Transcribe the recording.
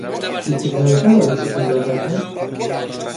چیتر زانراوە لەسەر ئەم بابەتە؟